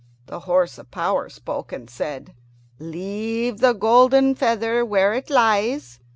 The horse of power spoke and said, "Leave the golden feather where it lies.